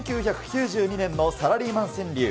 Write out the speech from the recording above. １９９２年のサラリーマン川柳。